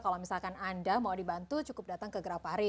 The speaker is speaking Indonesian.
kalau misalkan anda mau dibantu cukup datang ke grapari